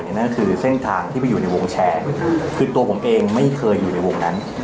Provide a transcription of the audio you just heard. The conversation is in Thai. นั่นก็คือเส้นทางที่ไปอยู่ในวงแชร์คือตัวผมเองไม่เคยอยู่ในวงนั้น